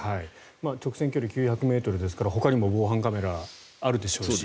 直線距離９００ｍですからほかにも防犯カメラあるでしょうし